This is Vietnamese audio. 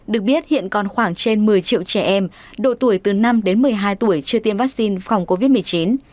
được biết hiện còn khoảng trên một mươi triệu trẻ em độ tuổi từ năm đến một mươi hai tuổi chưa tiêm vaccine phòng covid một mươi chín